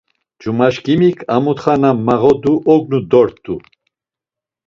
Cumaşǩimik a mutxa na mağodu ognu dort̆u.